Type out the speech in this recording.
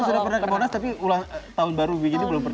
sudah pernah ke monas tapi ulang tahun baru jadi belum pernah